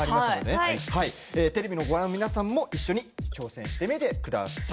テレビをご覧の皆さんも一緒に挑戦してみてください。